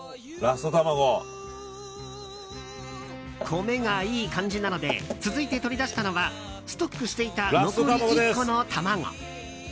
米がいい感じなので続いて取り出したのはストックしていた残り１個の卵。